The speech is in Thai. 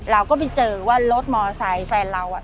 เราก็ไปเจอว่ารถมอเตอร์ไซค์แฟนเรา